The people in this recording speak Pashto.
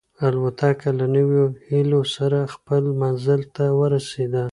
الوتکه له نویو هیلو سره خپل منزل ته ورسېده.